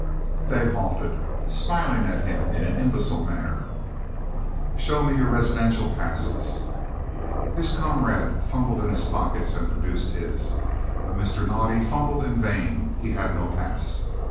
They halted, smiling at him in an imbecile manner. "Show me your residential passes." His comrade fumbled in his pockets and produced his, but Mr. Naudé fumbled in vain. He had no pass.